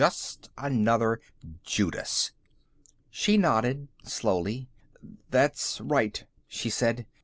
Just another Judas." She nodded slowly. "That's right," she said.